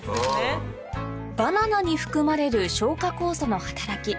バナナに含まれる消化酵素の働き